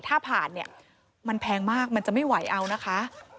ถ้าผ่านเนี่ยมันแพงมากมันจะไม่ไหวเอานะคะ